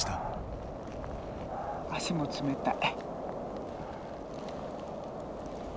足も冷たい。